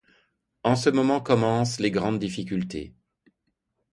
En ce moment commencèrent les grandes difficultés.